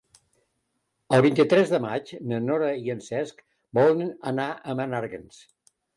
El vint-i-tres de maig na Nora i en Cesc volen anar a Menàrguens.